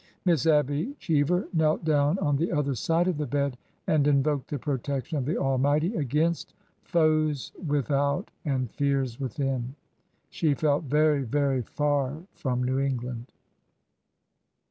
Miss Abby Cheever knelt down on the other side of the bed and invoked the protection of the Almighty against foes without and fears within.'' She felt very, very far from New England.